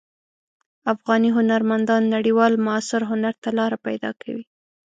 افغاني هنرمندان نړیوال معاصر هنر ته لاره پیدا کوي.